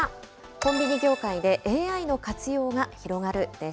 コンビニ業界でＡＩの活用が広がるです。